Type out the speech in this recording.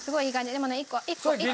でもね１個１個。